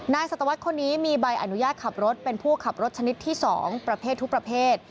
สัตวรรษคนนี้มีใบอนุญาตขับรถเป็นผู้ขับรถชนิดที่๒ประเภททุกประเภท